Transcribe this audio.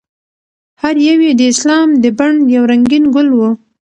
هر یو یې د اسلام د بڼ یو رنګین ګل و.